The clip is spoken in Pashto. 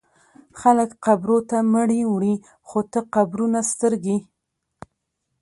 خلک قبرو ته مړي وړي خو ته قبرونه سترګې